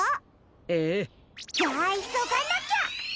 ええ。じゃあいそがなきゃ！